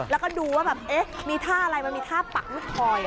แล้วก็ดูว่ามีท่าอะไรมันมีท่าปักลูกทอย